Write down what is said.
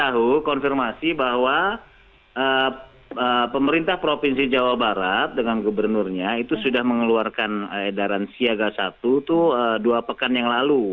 kita tahu konfirmasi bahwa pemerintah provinsi jawa barat dengan gubernurnya itu sudah mengeluarkan edaran siaga satu itu dua pekan yang lalu